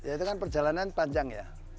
ya itu kan perjalanan panjang ya